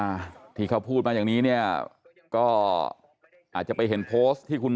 อ่าที่เขาพูดมาอย่างนี้เนี่ยก็อาจจะไปเห็นโพสต์ที่คุณ